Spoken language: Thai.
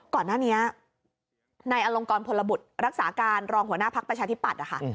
ก่อนหน้านี้ในอลงกรพลบุตรรักษาการรองหัวหน้าพักประชาธิปัตย์นะคะ